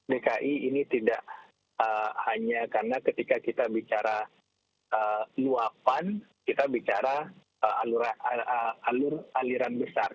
dki ini tidak hanya karena ketika kita bicara luapan kita bicara alur aliran besar